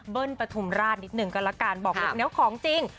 เบิ้ลประทุมราชน์นิดนึงก็ละกันบอกแนวของจริง